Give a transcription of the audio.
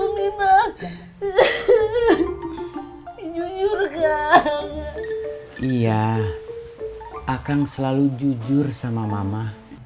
minah jujur iya akan selalu jujur sama mama